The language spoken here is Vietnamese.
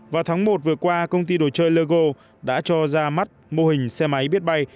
vào tháng một vừa qua công ty đồ chơi logo đã cho ra mắt mô hình xe máy biết bay